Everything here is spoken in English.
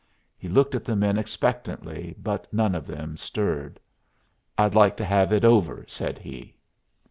He looked at the men expectantly, but none of them stirred. "I'd like to have it over," said he.